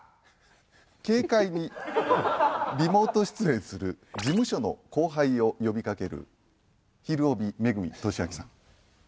軽快にリモート出演する事務所の後輩を呼びかける『ひるおび』恵俊彰さん。